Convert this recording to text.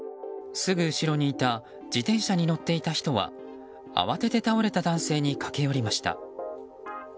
すぐ後ろにいた自転車に乗っていた人は慌てて倒れた男性に駆け寄りました。